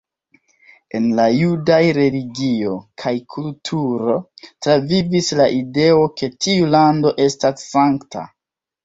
En la judaj religio kaj kulturo travivis la ideo ke tiu lando estas sankta.